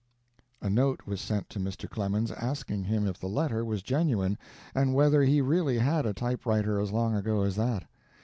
A note was sent to Mr. Clemens asking him if the letter was genuine and whether he really had a typewriter as long ago as that.